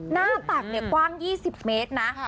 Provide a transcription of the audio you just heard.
หน้าตักกว้าง๒๐เมตรนะ